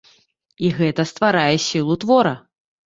І гэта стварае сілу твора.